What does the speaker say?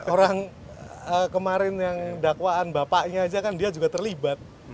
orang kemarin yang dakwaan bapaknya aja kan dia juga terlibat